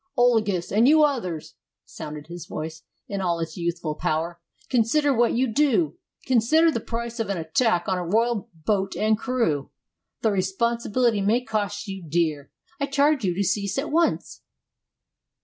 "Olagus, and you others," sounded his voice, in all its youthful power, "consider what you do; consider the price of an attack on a royal boat and crew! The responsibility may cost you dear. I charge you to cease at once."